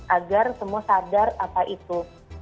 agar semua sadar apa itu